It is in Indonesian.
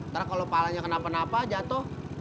karena kalau palanya kenapa napa jatuh